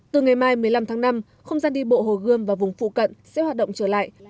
từ ngày mai một mươi năm tháng năm không gian đi bộ hồ gươm và vùng phụ cận sẽ hoạt động trở lại